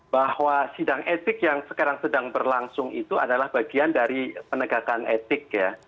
bahwa sidang etik yang sekarang sedang berlangsung itu adalah bagian dari penegakan etik ya